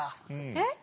えっ？